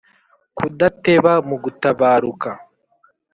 kudateba mu gutabaruka